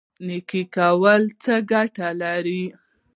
نیکي کول څه ګټه لري؟